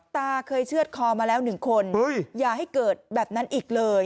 ตาเคยเชื่อดคอมาแล้ว๑คนอย่าให้เกิดแบบนั้นอีกเลย